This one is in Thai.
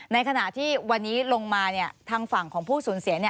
ในขณะที่วันนี้ลงมาทางฝั่งของผู้สูญเสีย